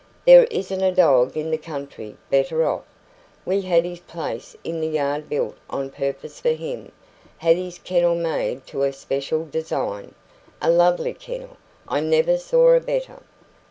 "There isn't a dog in the country better off. We had his place in the yard built on purpose for him; had his kennel made to a special design " "A lovely kennel! I never saw a better."